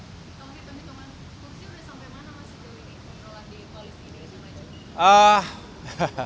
komitmen komitmen fungsi sudah sampai mana mas jelil ini